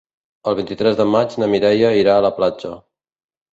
El vint-i-tres de maig na Mireia irà a la platja.